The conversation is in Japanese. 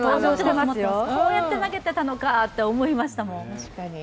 こうやって投げてたのか！って思いましたもん。